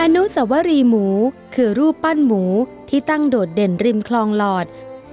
อนุสวรีหมูคือรูปปั้นหมูที่ตั้งโดดเด่นริมคลองหลอด